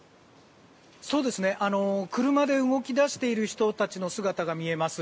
車で動き出している人たちの姿が見えます。